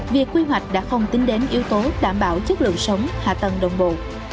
việc quy hoạch đã không tính đến yếu tố đảm bảo chất lượng sống hạ tầng đồng bộ